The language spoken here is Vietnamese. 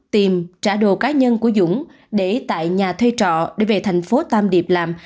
tìm trả đồ cá nhân của dũng để tại nhà thuê trọ để về thành phố tam điệp làm